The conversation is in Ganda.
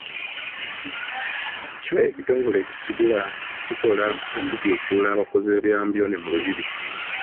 Kyo ekitongole ekisigula kikola ku kusiguukulula abakozi by’ebyambyone mu Lubiri.